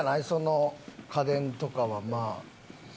その家電とかはまあ。